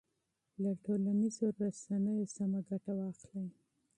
له ټولنیزو رسنیو سمه ګټه واخلئ.